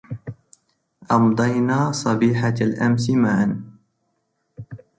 أمضينا صبيحة الأمس معا.